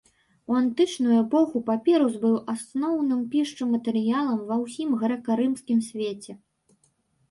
У антычную эпоху папірус быў асноўным пісчым матэрыялам ва ўсім грэка-рымскім свеце.